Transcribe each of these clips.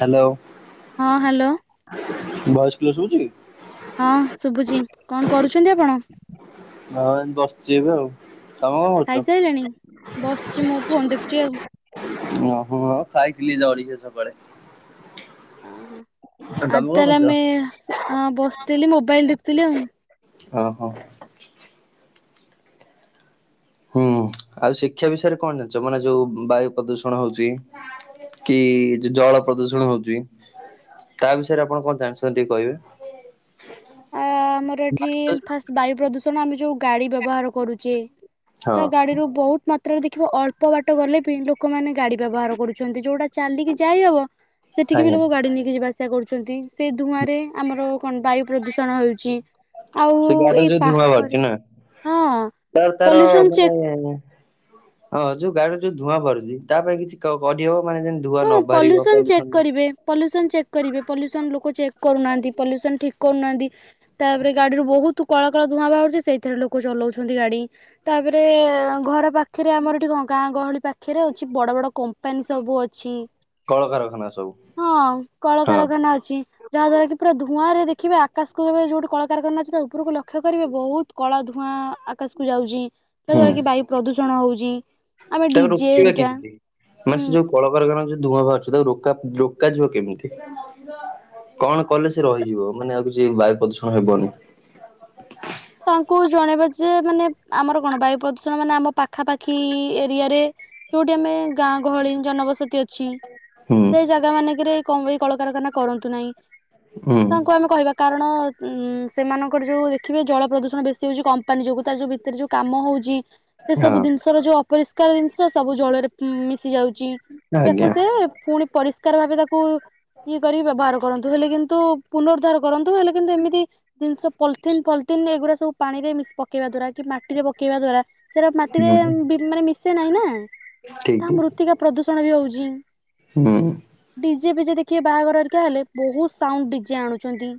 Hello. ହଁ hello. Voice clear ଶୁଭୁଚି? ହଁ ଶୁଭୁଚି। କଣ କରୁଛନ୍ତି ଆପଣ? ହଁ ଏମିତି ବସ୍ଚି ଏବେ ଆଉ। ତମେ କଣ କରୁଛ? ଖାଇ ସାଇଲେଣି? ବସ୍ଚି ମୁଁ ଫୋନ୍ ଦେଖୁଛି ଆଉ। ଓହୋ। ହଁ ଖାଇଥିଲି ଜଳଖିଆ ସକାଳେ। ଆଁ ହଁ ତମେ ଆଜି କଣ ତାହେଲେ ଖାଇଛ? ଆମେ, ସ୍ ହଁ ବସିଥିଲି ମୋବାଇଲ୍ ଦେଖୁଥିଲି ଆଉ। ଆ ହଁ। ହୁଁ ଆଉ ଶିକ୍ଷା ବିଷୟରେ କଣ ଜଣିଛ? ମାନେ ଯୋଉ ବାୟୁ ପ୍ରଦୂଷଣ ହଉଛି? କି ଯୋ ଯୋଉ ଜଳ ପ୍ରଦୂଷଣ ହେଉଛି? ତା ବିଷୟରେ ଆପଣ କଣ ଜାଣିଛନ୍ତି ଟିକେ କହିବେ? ଆ ଆମର ଏଠି ଫାଷ୍ଟ୍ ବାୟୁ ପ୍ରଦୂଷଣ ଆମେ ଯୋଉ ଗାଡ଼ି ବ୍ୟବହାର କରୁଚେ ହଁ ତା ଗାଡ଼ି ରୁ ବୋହୁତ୍ ମାତ୍ ରେ ବି ଦେଖିବ ଅଳ୍ପ ବାଟ ଗଲେ ବି ଲୋକମାନେ ଗାଡି ବ୍ୟବହାର କରୁଛନ୍ତି, ଯୋଉଟା ଚାଲିକି ଯାଇହବ ସେଠିକି ବି ଆଜ୍ଞା ଲୋକ ଗାଡି ନେଇକି ଯିବା ଆସିବା କରୁଛନ୍ତି। ସେ ଧୂଆଁରେ ଆମର କଣ ବାୟୁ ପ୍ରଦୂଷଣ ହଉଛି। ସେ ଗାଡିରୁ ଯୋଉ ଧୂଆଁ ବାହାରୁଛି ନା। ହଁ ତାର ତାର ପଲ୍ୟୁସନ ଚେକ୍ ମାନେ ହଁ ଯୋଉ ଗାଡିରେ ଯୋଉ ଧୂଆଁ ବାହାରୁଛି ତା ପାଇଁ କିଛି କରିହେବ ମାନେ ଯେ ଧୂଆଁ ହଁ ନ ବାହାରିବ ଚେକ୍ ପଲ୍ୟୁସନ ରେ। କରିବେ ପଲ୍ୟୁସନ ଚେକ୍ କରିବେ। ପଲ୍ୟୁସନ ଲୋକ ଚେକ୍ କରୁନାହାନ୍ତି। ପଲ୍ୟୁସନ ଠିକ୍ କରୁନାହାନ୍ତି। ତାପରେ ଗାଡିରୁୁ ବୋହୁତ୍ କଳା କଳା ଧୂଆଁ ବାହାରୁଛି। ସେଇଥିରେ ଲୋକ ଚଲାଉଛନ୍ତି ଗାଡି। ତାପରେ ଏବେ ଘର ପାଖରେ ଆମର ଏଠି କଣ, ଗାଁ ଗହଳି ପାଖରେ ଅଛି, ବଡ ବଡ କମ୍ପାନୀ ସବୁ ଅ ଛି, କଳକାରଖାନା ସବୁ ହଁ ହଁ କଳକାରଖାନା ଅଛି। ଯାହା ଦ୍ଵାରା କି ପୁରା ଧୂଆଁରେ ଦେଖିବେ ଆକାଶକୁ ଯେବେ, ଯୋଉଠି କଳକାରଖାନା ଅଛି, ତା ଉପରକୁ ଲକ୍ଷ୍ୟ କରିବେ ବୋହୁତ୍ କଳା ଧୂଆଁ ଆକାଶକୁୁ ଯାଉଛି। ହୁଁ। ଯାହାଦ୍ୱାରା କି ବାୟୁ ପ୍ରଦୂଷଣ ହଉଛି। ଆମେ ତାକୁ ଡିଜେ ରୋକିବା ହେରିକା କେମିତି? ହୁଁ ମାନେ ସେ ଯୋଉ କଳକାରଖାନାରୁ ଯୋଉ ଧୂଆଁ ବାହାରୁଛି ତାକୁ ରୋକା ରୋକାଯିବ କେମିତି? କଣ କଲେ ସେ ରହିଯିବ ମାନେ ଆଉ କିଛି ବାୟୁ ପ୍ରଦୂଷଣ ହେବନି? ତାଙ୍କୁ ଜଣେଇବା ଯେ ମାନେ ଆମର କଣ ବାୟୁ ପ୍ରଦୂଷଣ ମାନେ ଆମ ପାଖାପାଖି ଏରିଆରେ ଯୋଉଠି ଆମେ ଗାଁ ଗହଳି ଜନବସତି ଅଛି। ହୁଁ ସେଇ ଜାଗା ମାନେଙ୍କରେ କଣ ଏ କଳକାରଖାନା କରନ୍ତୁ ନାହିଁ। ହଁ। ତାଙ୍କୁ ଆମେ କହିବା, କାରଣ ସେମାନଙ୍କର ଯେଉଁ ଦେଖିବେ ଜଳ ପ୍ରଦୂଷଣ ବେଶୀ ହଉଛି କମ୍ପାନୀ ଯୋଗୁ, ତାର ଯୋଉ ଭିତରେ ଯୋଉ କାମ ହଉଛି, ସେ ହଁ ସବୁ ଜିନିଷର ଯୋଉ ଅପରିଷ୍କାର ଜିନିଷ ସବୁ ଜଳରେ ମିଶି ଯାଉଛି। ତାକୁ ଆଜ୍ଞା ସେ ପୁଣି ପରିଷ୍କାରେ ଭାବେ ତାକୁ ଇଏ କରିକି ବ୍ୟବହାର କରନ୍ତୁ। ହେଲେ କିନ୍ତୁ ପୁନରୁଦ୍ଧାର କରନ୍ତୁ ହେଲେ କିନ୍ତୁ ଏମିତି ଜିନିଷ ପଲିିଥିନ୍ ପଲ୍ ଏଗୁରା ସବୁ ପାଣିରେ ମି ପକେଇବା ଦ୍ଵାରା କି ମାଟିରେ ପକେଇବା ଦ୍ୱାରା ସେରା ମାଟିରେ ହୁଁ ମାନେ ମି ଶେନାଇଁ ନା ଠିକ ତାହା ଠିକ ମୃତ୍ତିକା ପ୍ରଦୂଷଣ ବି ହଉଛି। ହୁଁ। ଡିଜେ ଫିଜେ ଦେଖିବେ ବାହାଘର ହେରିକା ହେଲେ ବୋହୁତ୍ ସାଉଣ୍ଡ ଡିଜେ ଆଣୁଛନ୍ତି।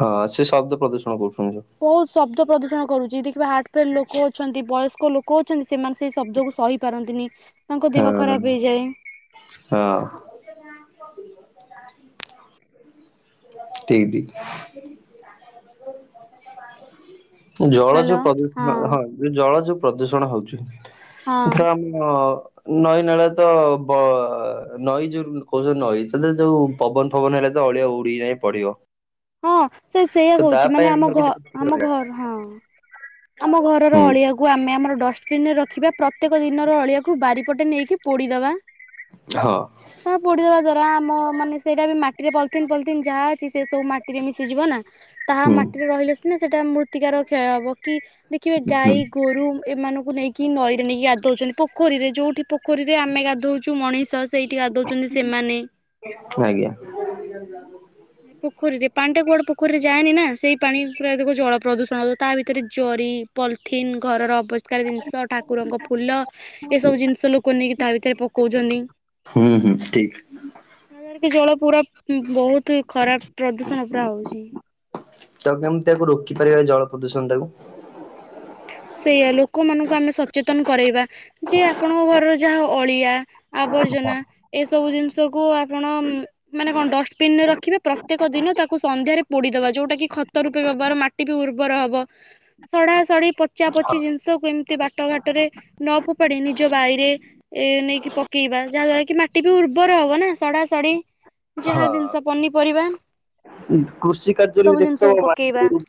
ହଁ ସେ ଶବ୍ଦ ପ୍ରଦୂଷଣ କରୁଛନ୍ତି। ବୋହୁତ୍ ଶବ୍ଦ ପ୍ରଦୂଷଣ କରୁଛି। ଦେଖିବେ ହାର୍ଟ ଫେଲ୍ ଲୋକ ଅଛନ୍ତି, ବୟସ୍କ ଲୋକ ଅଛନ୍ତି ସେମାନେ ସେଇ ଶବ୍ଦକୁ ସହି ପାରନ୍ତିନି। ତାଙ୍କ ଦେହ ହଁ ଖରାପ ହେଇଯାଏ। ହଁ। ଠିକି। ଜଳ ଯୋଉ ପ୍ରଦୂଷଣ ହଁ ଯୋଉ ଜଳ ଯୋଉ ପ୍ରଦୂଷଣ ହଉଛି। ହଁ ଧର ଆମ ହଁ ନଈ ନାଳ ତ ବ ନଈ ଯୋଉ କହୁଛନ୍ତି ନଈ ସେଥିରେ ଯୋଉ ପବନ ଫବନ ହେଲେ ତ ଅଳିଆ ଉଡ଼ି ଯାଇ ପଡିବ। ହଁ ସେ ସେଇୟା ତ ତା କହୁଚି ପାଇଁ ମାନେ ଆମ ଆମର ଘ କିଛି ପ୍ରତିକାର ଆମ ଘର ହଁ। ଆମ ଘରର ହୁଁ ଅଳିଆକୁ ଆମେ ଆମର ଡଷ୍ଟବିନରେ ରଖିବା ପ୍ରତ୍ୟେକ ଦିନର ଅଳିଆ କୁ ବାରିପଟେ ନେଇକି ପୋଡ଼ିଦେବା। ହଁ। ତାହା ପୋଡ଼ିଦେବା ଦ୍ଵାରା ଆମ ମାନେ ସେଇଟାବି ମା ଟିରେ ପଲଥିନ ପଲଥିନ୍ ଯାହା ଅଛି ସେସବୁ ମାଟିରେ ମିଶିଯିବନା ତାହା ହୁଁ ମାଟିରେ ରହିଲେ ସେ- ଥିନେ ସେଟା ମୃତ୍ତିକାର କ୍ଷୟ ହବକି ଦେଖିବେ ହୁଁ ଗାଈ ଗୋରୁ ଏମାନଙ୍କୁ ନେଇକି ନଈ ନେଇକି ଗାଧୋଉଛନ୍ତି ପୋଖରୀରେ ଯୋଉଠି ପୋଖରୀରେ ଆମେ ଗାଧଉଚୁ ମଣିଷ ସେଇ ଟି ଗାଧଉଛନ୍ତି ସେମାନେ। ଆଜ୍ଞା [inaudible] ହେ ପୋଖରୀରେ ପାଣିଟା କୁଆଡ଼େ ପୋଖରୀରେ ଯାଏନିନା ସେଇ ପାଣି ପୁରା ଦେଖିବେ ଜଳ ପ୍ରଦୂଷଣ ହବ ତାଭିତ ତରେ ଜରି ପଲିଥିନ ଘରର ଅବିଷ୍କାର ଜିନିଷ ଠା ଠାକୁରଙ୍କ ଫୁଲ ଏସବୁ ଜିନିଷ ଲୋକ ନେଇକି ତାଭିତରେ ପକଉଛନ୍ତି। ହୁଁ ହୁଁ ଠିକ। ତା ଦ୍ବାରାକି ଜଳ ପୁରା ବହୁତ୍ ଖରାପ୍ ପ୍ରଦୂଷଣ ପୁରା ହଉଚି। ତାକୁ କେମିତି ତାକୁ ରୋକିପାରିବା ଏଜଳ ପ୍ରଦୂଷଣ ଟାକୁ? ସେଇଆ ଲୋକମାନଙ୍କୁ ଆମେ ସଚେତନ କରେଇବା ଯେ ଆପଣଙ୍କ ଘରର ଯାହା ଅଳିଆ ଆବର୍ଜନା ଏସବୁ ଜିନିଷକୁ ଆପଣ ମାନେ କଣ ଡଷ୍ଟବିନରେ ରଖିବେ ପ୍ରତ୍ୟେକ ଦିନ ତାକୁ ସନ୍ଧ୍ୟାରେ ପୋଡ଼ିଦବା ଯୋଉଟାକିି ଖତ ରୂପେବେଭାର ମାଟି ଉର୍ବର ହବ ସଢା ସଢି ପଚା ହଁ ପଚି ଜିନିଷକୁ ଏମିତି ବାଟ ଘାଟରେ ନଫୋପାଡ଼ି ନିଜ ବାଇରେ ଏ ନେଇକି ପକେଇବା ଯାହା ଦ୍ଵାରାକି ମାଟିବି ଉର୍ବର ହବନା ସଢା ସଢି ଯାହା ହଁ ଜିନିଷ ପନିପରିବା କୃଷି ସବୁ କାର୍ଯ୍ୟରେବି ଜିନିଷକୁ ଦେଖିଥବ ପକେଇବା [unintelligible]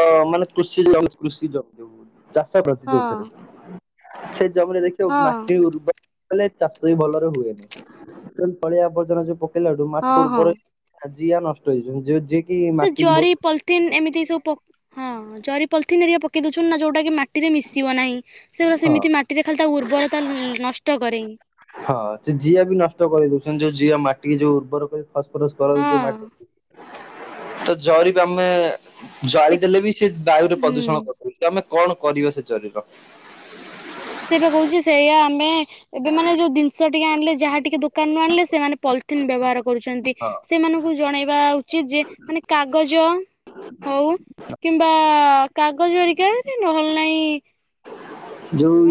ଅଁ ମାନେ କୃଷି [unintelligible] କୃଷି [unintelligible] ଚାଷ ପ୍ରତି ହଁ। ଯଉଥିରେ ସେ ଜମିରେ ଦେଖିବ ହଁ ମାଟି ଉର୍ବ କେଲେ ଚାଷବି ଭଲରେ ହୁଏନିୁ ଅଳିଆ ଆବର୍ଜନା ଯୋଉ ପକେଇଲାଠୁ ହଁ ମାଟି ହଁ। ଉର୍ବରେ ଆଜିୟଆ ନଷ୍ଟ ହେଇଜିବ ଯ ଯେ ସେ ଜରି ପଲିଥିନ୍ ଏମିତି ସବୁ ପ ହଁ ଜରି ପଲଲିଥିନ ଏରିକା ପକେଇ ଦଉଛନ୍ତିନା ଯୋଉଟାକି ମାଟିରେ ମିଶିବ ନାହିଁ ସେଗୁଡ଼ା ହଁ ସେମିତି ମାଟିରେ ଖାଲିତା ଉର୍ବରତା ନଷ୍ଟ କରେହିଁ। ହଁ ସେ ଜିଆବି ନଷ୍ଟ କରି ଦଉଚନ୍ତି ଯୋଉ ଜିଆ ମାଟିିକି ଯୋଉ ଉର୍ବର କରି ହଁ। [unintelligible] ତ ଜରିକୁ ଆମେ ଜାଳି ଦେଖ ଦେଲେବି ସେବାୟୁରେ ପ୍ରଦୂଷଣ ହୁଁ କରିଦୋଉଚି ଆମେ କଣ କରିବା ସେ ଜରୀର? ସେବା କହୁଚି ସେଇୟା ଆମେ ଏବେ ମାନ ଯୋଉ ଜିନିଷ ଟିକେ ଆଣିଲେ ଯାହା ଟିକେ ଦୋକାନରୁୁ ଆଣିଲେ ସେମାନେ ପଲ୍ ଥିନ୍ ବ୍ୟବହାର କରୁଚନ୍ତି ହଁ ସେମାନଙ୍କୁ ଜଣେଇବା ଉଚିତଯେ ମାନେ କାଗଜ ହଉ କିମ୍ବା କାଗଜ ଅରିକାରେ ନହେଲେ ନାହିଁ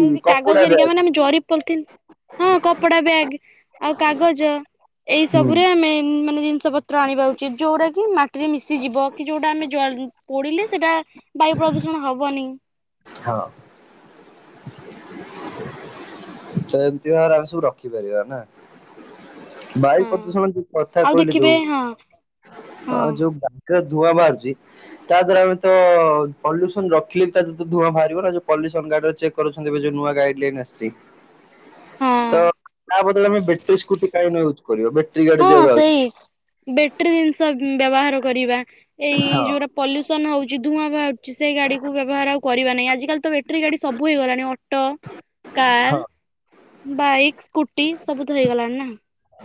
ହଁ ଯଦି କାଗଜ କପଡା ଏରିକା ବ୍ୟାଗ୍ ମାନେ ଆମେ ଜରି ପଲଥିନ୍ ହଁ କପଡ଼ା ବ୍ୟାଗ ଆଉ କାଗଜ ଏଇ ହୁଁ ସବୁରେ ଆମେ ମାନେ ଜିନିଷ ପତ୍ର ପତ୍ର ଆଣିବା ଉଚିତ୍ ଯେଉଁରାକି ମାଟିରେ ମିଶିଯିବ କି ଯେଉଁଟା ଆମେ ଜଳି ପୋଡ଼ିଲେ ସେଇଟା ବାୟୁ ପ୍ରଦୂଷଣ ହବନି। ହଁ। ତ ଏମତି ଭାବରେ ଆମେ ସବୁ ରଖିପାରିବାନା। ବାୟୁ ହଁ ପ୍ରଦୂଷଣ ଯୋଉ କଥା ଆଉ କହିଲେ ଦେଖିବେ ଯୋଉ ହଁ ହଁ ଅଁ ଯୋଉ ବା ଧୂଆଁ ବାହାରୁଚି ତାଦ୍ଵାରା ଆମେତ ପଲ୍ୟୁସନ ରଖିଲେ ତ ଧୂଆଁ ବାହାରିବନା ଯୋଉ ପଲ୍ୟସନ୍ ଗାଡ଼ିରେ ଚେକ୍ କରଛନ୍ତି ଏବେ ଯୋଉ ନୂଆ ଗାଇଡ୍ ଲାଇନ୍ ଆସିଚି। ହଁ ତ ତାବଦଳରେ ଆମେ ବ୍ୟାଟ୍ରି ସ୍କୁଟି କାହିଁ ନୟୁଜ୍ କରିବା ବେଟ୍ରି ହଁ ସେଇ ବେଟିରୀ ଜିନିଷ ବ୍ୟବହାର କରିବା ଏଇ ହଁ। ଯୋଉଟା ପଲ୍ୟୁସନ ହଉଚି ଧୂଆଁ ବାହାରୁଚି ସେଗାଡ଼ିକୁ ବ୍ୟବହାର ଆଉ କରିବା ନାହିଁ ଆଜିକାଲି ତ ବଟିରି ଗାଡ଼ି ସବୁ ହେଇଗଲାଣି ଅ [inaudible] ହଁ କାର ବାଇକ୍ ସ୍କୁଟି ସବୁ ତ ହେଇଗଲାଣି ନା।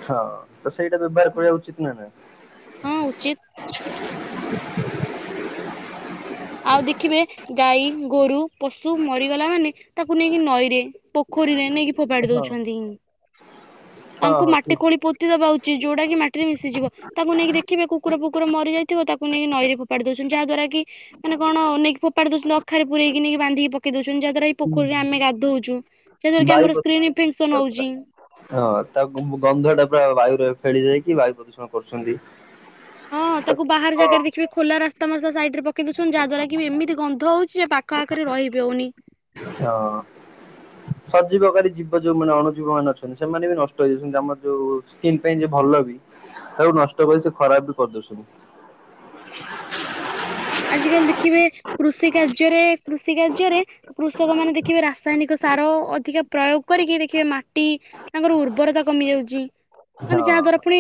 ହଁ ତ ସେଇଟା ବ୍ୟବହାର କରିବା ଉଚିତ ନା ନା। ହଁ ଉଚିତ। [unintelligible] ଆଉ ଦେଖିବେ ଗାଈ ଗୋରୁ ପଶୁ ମରିଗଲା ମାନେ ତାକୁ ନେଇକି ନଈରେ ପୋଖରୀରେ ନେଇକି ଫୋପାଡି ହଁ ଦଉଛନ୍ତି। ହଁ ତାଙ୍କୁ ହଁ ଠିକ ମାଟି ଖୋଳି ପୋତି ଦବା ଉଚିତ୍ ଯୋଉଟା କି ମାଟିରେ ମିଶିଯିବ ତାଙ୍କୁ ନେଇକି ଦେଖିବେ କୁକୁର ଫୁକୁର ମରିଯାଇଛି। ଥିବ ତାକୁ ନେଇକି ନଈରେ ଫୋପଡ଼ି ଦଉଛନ୍ତି ଯାହା ଦ୍ୱାରା କି ମାନେ କଣ ନେଇକି ଫେପାଡି ଦଉଚନ୍ତି ଅଖାରେ ପୁରେଇକି ନେଇି ବାନ୍ଧିକି ପକେଇ ଦଉଛନ୍ତି ଯାହାଦ୍ୱାରା ହୁଁ ପୋଖରୀରେ ଆମେ ଗାଧଉଛୁ ସେର କି ବାୟୁ ଆମର ସ୍କିନ ପ୍ରଦୂଷଣ ଇନଫେକ୍ସନ ପୁରା ହଉଛି। ହଁ ତା ଗନ୍ଧ ଟା ପୁରା ବାୟୁରେ ଫେଳି ଯାଇକି ବାୟୁ ପ୍ରଦୂଷଣ କରୁଛନ୍ତି। ହଁ ତାକୁ ବାହାର ହଁ। ଜାଗାରେ ଦେଖିବେ। ଖୋଲା ରାସ୍ତା ମାସ୍ତା ସାଇଡ଼୍ରେ ପକେଇ ଦେଉଛନ୍ତି ଯାହାଦ୍ୱାରା କି ବି ଏମିତି ଗନ୍ଧଉଛି ଯେ ପାଖ ଆଖରେ ରହି ହେଉନି। ହଁ। ସଜୀବକାରୀ ଜୀବ ଯୋଉ ମାନେ ଅନୁଜୀବ ମାନେ ଅଛନ୍ତି ସେମାନେ ବି ନଷ୍ଟ ହେଇଯାଉଛନ୍ତି ଆମର ଯୋଉ ସ୍କିନ୍ ପାଇଁ ଯିଏ ଭଲ ବି ତାକୁ ନଷ୍ଟ କରି ସେ ଖରାପ ବି କରିଦେଉଛନ୍ତି। ଆଜ କାଲି ଦେଖିବେ କୃଷି କାର୍ଯ୍ୟରେ କୃଷି କାର୍ଯ୍ୟରେ। କୃଷକ ମାନେ ଦେଖିବେ ରାସାୟନିକ ସାର ଅଧିକା ପ୍ରୟୋଗ କରିକି ଦେଖିବେ ମାଟି। ମାଟି ତାଙ୍କର ଉର୍ବରତା କମି ଯାଉଛି ମାନେ ଯାହା ଦ୍ଵାରା ହଁ ଫୁଣି।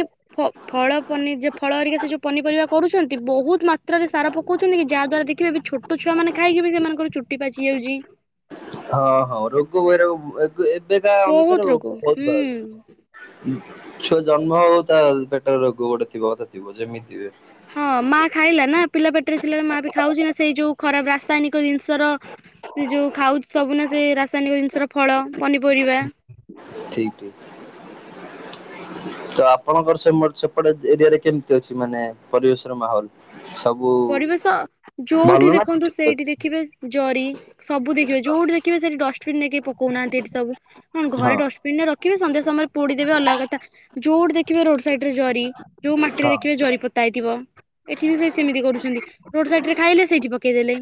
ଫଳ ପନି ଫଳ ହେରିକା ସେ ଯୋଉ ପନିପରିବା କରୁଛନ୍ତି ବହୁତ ମାତ୍ରାରେ ସାର। ପକୋଉଛନ୍ତି ଯାହା ଦ୍ଵାରା ଦେଖିବେ ଏ ଛୋଟ ଛୁଆ ମାନେ ଖାଇକି ବି ସେମାନଙ୍କର ଚୁଟି ପାଚି ଯାଉଛି। ହଁ ହଁ ରୋଗ ବୈରାଗ ଏବେକା ବହୁତ ଅନୁସାରେ ରୋଗ ବହୁତ ହୁଁ ବାହାରୁଚି। ଛୁଆ ଜନ୍ମ ହଉ ତା ପେଟ ରୋଗ ଗୋଟେ ଥିବ କଥା ଥିବ ଯେମିତି ଥିବେ। ହଁ ମା ଖାଇଲା ନା ପିଲା ପେଟରେ ଥିଲାବେଳେ ମା ବି ଖାଉଛି ନା ସେଇ ଯୋଉ ଖରାପ ରାସାୟନିକ ଜିନିଷର। ସେ ଯଉ ଖାଉ ସବୁନା ସେ ରାସାୟନିକ ଜିନିଷର ଫଳ ପନିପରିବା। ଠିକ୍ ଠିକ୍। ତ ଆପଣଙ୍କର ସେ ସେପଟେ ଏରିଆ ରେ କେମିତି ଅଛି ମାନେ ପରିବେଶର ମାହୋଲ। ସବୁ ପରିବେଶ ଭଲ ଯୋଉଠି ନା ଦେଖନ୍ତୁ ଠିକ ଅଛି? ସେଇଠି ଦେଖିବେ ଜରି। ସବୁ ଦେଖିବେ ଯଉଠି ଦେଖିବ ସେଠି ଡଷ୍ଟବିନ ରେ କେ ପକଉନାହାନ୍ତି ଏଠି ସବୁ କଣ ହଁ ଘରେ ଡଷ୍ଟବିନ ରେ ରଖି। ଦେଖିବେ ସନ୍ଧ୍ୟା ସମୟରେ ପୋଡି ଦେବେ ଅଲଗା କଥା ଯୋଉଠି ଦେଖିବେ ରୋଡ ସାଇଡ ରେ ଜରି ଯୋଉ ମାଟିରେ ହଁ ଦେଖେ ଜରି ପୋତା। ପୋତାହେଇଥିବ ଏଠି ବି ସେ ସେମିତି କରୁଛନ୍ତି ରୋଡ ସାଇଡରେ ଖାଇଲେ ସେଇଠି ପକେଇଦେଲେ।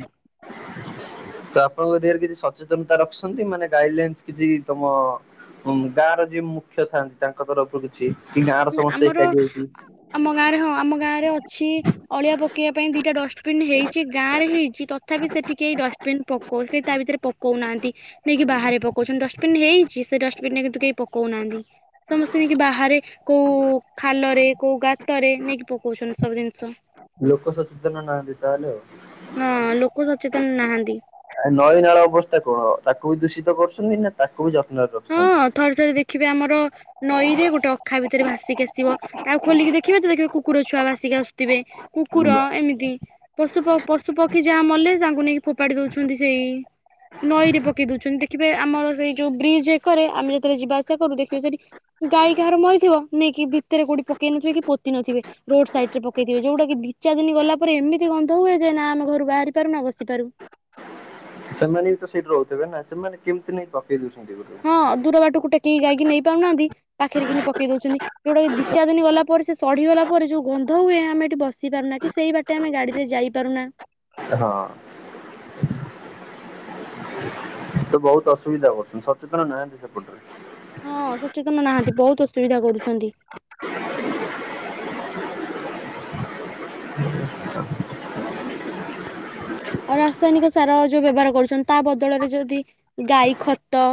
ତ ଆପଣଙ୍କ ଏରିଆ ରେ କିଛି ସଚେତନତା ରଖିଛନ୍ତି ମାନେ ଗାଇଡ ଲାଇନ୍ କିଛି ତମ। ଗାଁ ର ଯିଏ ମୁଖ୍ୟ ଥାଆନ୍ତି ତାଙ୍କ। ତାଙ୍କ ତରଫରୁ କିଛି କି ଗାଁ ର ସମସ୍ତେ ଆମର ଏକାଠି ଆମ ଗାଁରେ ହେଇକି। ହଁ ଆମ ଗାଁରେ ଅଛି ଅଳିଆ ପକେଇବା ପାଇଁ ଦିଟା ଡଷ୍ଟବିିନ ହେଇଛି ଗାଁ ରେ ହେଇଛି ତଥାପି ସେଠି କେଇ ଡଷ୍ଟବିନ୍। ଡଷ୍ଟବିନ ପକଉ କେହି ତା ଭିତରେ ପକଉନାହାନ୍ତି। ନେଇକି ବାହାରେ ପକଉଛନ୍ତି ଡଷ୍ଟବିନ ହେଇଛି ସେ ଡଷ୍ଟବିନ ରେ କିନ୍ତୁ କେହି ପକଉନାହାନ୍ତି। ସମସ୍ତେ ନେଇକି ବାହାରେ। କୋଉ ଖାଲରେ କୋଉ ଗାତରେ ନେଇକି ପକଉଛନ୍ତି ସବୁ ଜିନିଷ। ଲୋକ ସଚେତନ ନାହାନ୍ତି ତାହେଲେ ଆଉ। ହଁ ଲୋକ ସଚେତନ ନାହାଁନ୍ତି। ଆ ନଈ ନାଳ ଅବସ୍ଥା କଣ ତାକୁ ବି ଦୂଷିତ କରୁଛନ୍ତି ନା ତାକୁ ବି ଯତ୍ନରେ ହଁ ରଖୁଛନ୍ତି। ଥରେ ଥରେ ଦେଖିବେ ଆମର। ନଈରେ ଗୋଟେ ଅଖା ଭିତରେ ଭାସିକି ଆସିବ ତାକୁ ଖୋଲିକି ଦେଖିବା ତ ଦେଖିବା କୁକୁର ଛୁଆ ଭାସିକି ଆସୁଥିବେ। କୁକୁର ଏମିତି। ପଶୁ ପଶୁ ପକ୍ଷୀ ଯାହା ମଲେ ତାଙ୍କୁ ନେଇକି ଫୋପାଡି ଦଉଛନ୍ତି ସେଇ। ନଈ ରେ ପକେଇ ଦଉଛନ୍ତି ଦେଖିବେ ଆମର ସେଇ ଯୋଉ ବ୍ରିଜ୍ ଏକରେ ଆମେ ଯେତେବେଳେ ଯିବା ଆସିବା କରୁ ଦେଖିବେ ସେଠି। ଗାଈ କାହାର ମରିଥିବ ନେଇକି ଭିତରେ କୋଉଠି ପକେଇ ନଥିବେ କି ପୋତି ନଥିବେ। ରୋଡ ସାଇଡ ରେ ପକେଇଥିବେ ଯୋଉଟାକି ଦି ଚାର ଦିନ ଗଲା ପରେ ଏମିତି ଗନ୍ଧ ହୁଏ ଯେ ନା ଆମ ଘରୁ ବାହାରି ପାରୁ ନା ବସି ପାରୁ। ସେମାନେ ବି ତ ସେଇଠି ରହୁଥିବେ ନା ସେମାନେ କେମିତି ନେଇ ପକେଇ ଦଉଛନ୍ତି। ହଁ ଦୂର ବାଟକୁ ଟେକିକି ଗାଇକି ନେଇପାରୁନାହାନ୍ତି ପାଖରେ କିି ପକେଇ ଦଉଛନ୍ତି। ଯୋଉଟାକି ଦି ଚାରି ଦିନ ଗଲା ପରେ ସେ ସଢିଗଲା ପରେ ଯୋଉ ଗନ୍ଧ ହୁଏ ଆମେ ଏଠି ବସି ପାରୁନା କି ସେଇ ବାଟ ଏତେ ଆମେ ଗାଡ଼ିରେ ଯାଇପାରୁନା। ହଁ। ତ ବହୁତ ଅସୁବିଧା କରୁଛନ୍ତି ସଚେତନ ନାହାନ୍ତି ସେପଟରେ। ହଁ ସଚେତନ ନାହାନ୍ତି ବହୁତ ଅସୁବିଧା କରୁଛନ୍ତି। ଆଉ ରାସାୟନିକ ସାର ଯୋଉ ବ୍ୟବହାର କରୁଛନ୍ତି ତା ବଦଳରେ ଯଦି ଗାଈ ଖତ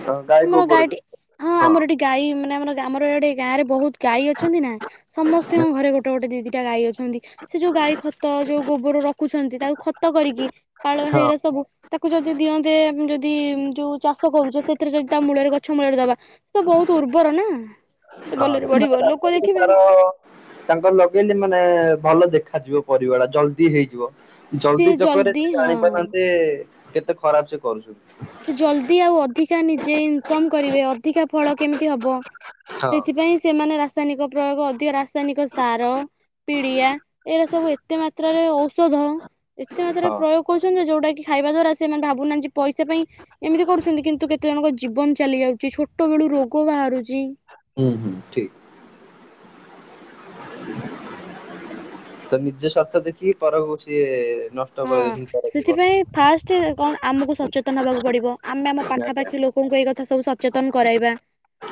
[unintelligible] ଆମର ଗାଈଟି ଯୋଉ ହଁ ଆମର ଏଠି ଗାଈ ମାନେ ଆମର ଆମର ଏଠି ଗାଁ ରେ ବହୁତ ଗାଈ ଅଛନ୍ତି ନା। ସମସ୍ତଙ୍କ ଘରେ ଗୋଟେ ଗୋଟେ ଦିଦିଟା ଗାଈ ଅଛନ୍ତି। ସେ ଯୋଉ ଗାଈ ଖତ ଯୋଉ ଗୋବର ରଖୁଛନ୍ତି ତାକୁ ଖତ କରିକି ପାଳ ହଁ ହେଇରା ସବୁ ତାକୁ ଯଦି ଦିଅନ୍ତେ ଯଦି ଯୋଉ ଚାଷ କରୁଛ ସେ ରେ ଯ ତା ମୂଳରେ ଗଛ ମୂଳରେ ଦବା ସେ ତ ବହୁତ ଉର୍ବର ନା ସେ ହଁ ଭଲରେ ସେମାନେ ବଢିବ ଲୋକ ରାସ୍ତା ଦେଖିବେ ତାର ତାଙ୍କର ଲଗେଇଲେ ମାନେ ଭଲ ଦେଖାଯିବ ପରିବା ଟା ଜଲଦି ହେଇଯିବ। ସିଏ ଜଲଦି ଚକରେ ସେ ହଁ ଜାଣି ପାରୁଥାନ୍ତେ କେତେ ଖରାପ ସେ କରୁଛନ୍ତି। ସେ ଜଲଦି ଆଉ ଅଧିକା ନିଜେ ଇନକମ୍ କରିବେ ଅଧିକା ଫଳ କେମିତି ହବ? ହଁ ସେଥିପାଇଁ ସେମାନେ ରାସାୟନିକ ପ୍ରୟୋଗ ଅଧିକ ରାସାୟନିକ ସାର ପିଡିଆ ଏରା ସବୁ ଏତେ ମାତ୍ରାରେ ଔଷଧ ଏତେ ମାତ୍ରାରେ ହଁ ପ୍ରୟୋଗ କରୁଛନ୍ତି ଯଉଟା କି ଖାଇବା ଦ୍ଵାରା ସେମାନେ ଭାବୁନାହାନ୍ତି ପଇସା ପାଇଁ ଏମିତି କରୁଛନ୍ତି କିନ୍ତୁ କେତେ ଜଣଙ୍କ ଜୀବନ ଚାଲି ଯାଉଛି ଛୋଟ ବେଳୁ ରୋଗ ବାହାରୁଛି। ହୁଁ ଠିକ। ତ ନିଜ ସ୍ୱାର୍ଥ ଦେଖି ପରକୁ ସିଏ ନ ହଁ ସେଥିପାଇଁ ଫାଷ୍ଟ କଣ ଆମକୁ ସଚେତନ ହବାକୁ ପଡିବ ଆମେ ଆମ ଆଜ୍ଞା ପାଖାପାଖି ଲୋକଙ୍କୁ ଏଇ କଥା ସବୁ ସ ସଚେତନ କରାଇବା।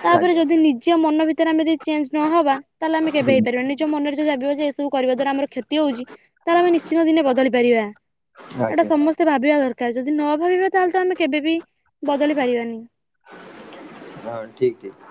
ତାପରେ ଆଜ୍ଞା ଯଦି ନିଜ ମନ ଭିତରେ ଆମେ ଯଦି ଚେଞ୍ଜ ନହେବା, ତାହେଲେ ଆମେ କେବେ ହୁଁ ହେଇପାରିବାନି। ନିଜ ମନରେ ଯଦି ଭାବିବା ଯେ ଏସବୁ କରିବା ଦ୍ୱାରା ଆମ କ୍ଷତି ହଉଛି ତାହେଲେ ଆମେ ନିଶ୍ଚିନ୍ତ ଦିନେ ବଦଳି ପାରିବା। ଏଟା ଆଜ୍ଞା ସମସ୍ତେ ତେ ଭାବିବା ଦରକାର ଯଦି ନ ଭାବିବା ତାହେଲେ ଆମେ କେବେ ବିି ବଦଳି ପାରିବାନି। ହଁ ଠିକ୍ ଠିକ।